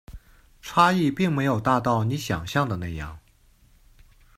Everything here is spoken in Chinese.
差异并没有大到你想像的那样